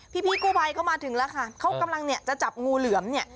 พี่กู้ภัยเขามาถึงแล้วค่ะเขากำลังเนี่ยจะจับงูเหลือมเนี่ย